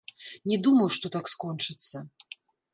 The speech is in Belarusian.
Не думаў, што так скончыцца.